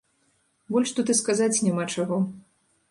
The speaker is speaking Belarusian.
Больш тут і сказаць няма чаго.